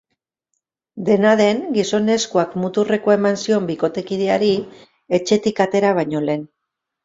Dena den, gizonezkoak muturrekoa eman zion bikotekideari etxetik atera baino lehen.